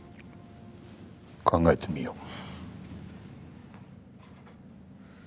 考えてみよう。